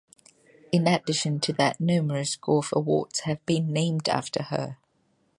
In addition to that numerous golf awards have been named after her.